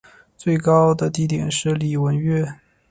最高地点是礼文岳。